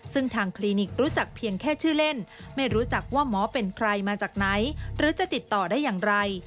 ซึ่งทางคลินิกรู้จักเพียงแค่ชื่อเล่นไม่รู้จักว่าหมอเป็นใครมาจากไหนหรือจะติดต่อได้อย่างไร